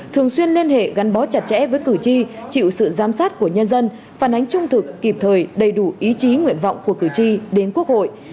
thường xuyên liên hệ gắn bó chặt chẽ với cử tri chịu sự giám sát của nhân dân phản ánh trung thực kịp thời đầy đủ ý chí nguyện vọng của cử tri đến quốc hội